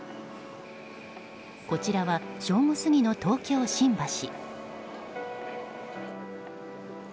こちらは正午過ぎの東京・新橋。